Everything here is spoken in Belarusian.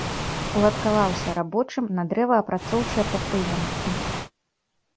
Уладкаваўся рабочым на дрэваапрацоўчае прадпрыемства.